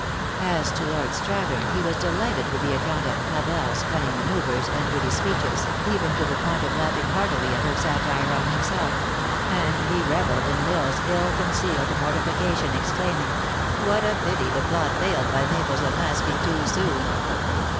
As to Lord Strathern, he was delighted with the account of ma belles cunning manoeuvres and witty speeches, even to the point ot laughing heartily at her satire on himself; and he reveled in L Isle s ill concealed mortification, exclaiming: "What a pity the plot failed by Mabel s unmasking too soon.